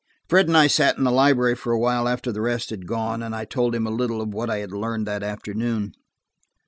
Fred and I sat in the library for a while after the rest had gone, and I told him a little of what I had learned that afternoon.